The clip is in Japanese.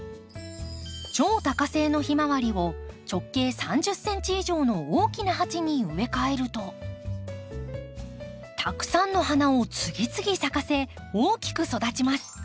超多花性のヒマワリを直径３０ｃｍ以上の大きな鉢に植え替えるとたくさんの花を次々咲かせ大きく育ちます。